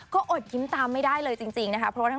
ก็อดยิ้มตามไม่ได้เลยจริงนะคะ